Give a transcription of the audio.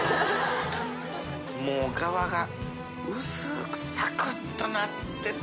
もうガワが薄くサクッとなってた。